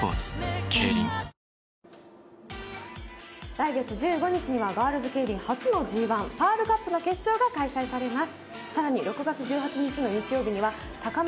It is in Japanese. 来月１５日にはガールズケイリン初のＧ１パールカップの決勝が開催されます。